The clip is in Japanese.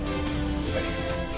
はい。